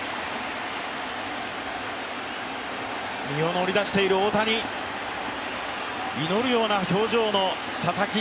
身を乗り出している大谷、祈るような表情の佐々木。